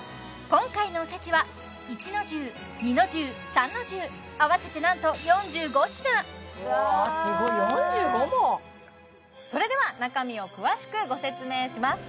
今回のおせちは合わせてなんとうわすごい４５もそれでは中身を詳しくご説明します